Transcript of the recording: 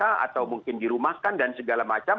atau mungkin dirumahkan dan segala macam